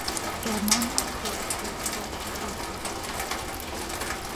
Hermano mayor de Scott Hastings.